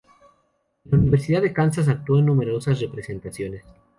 En la Universidad de Kansas actuó en numerosas representaciones.